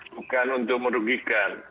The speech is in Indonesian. bukan untuk merugikan